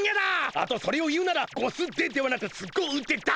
あとそれを言うなら「ゴスデ」ではなく「すご腕」だ！